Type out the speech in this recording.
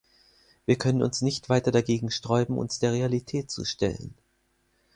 Wir können uns nicht weiter dagegen sträuben, uns der Realität zu stellen.